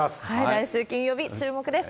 来週金曜日、注目です。